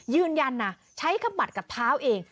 ยืนยันใช้ข้ามัดกับเภาเอง